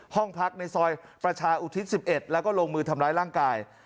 ห้องพักในซอยประชาอุทิศ๑๑แล้วก็ลงมือทำร้ายร่างกาย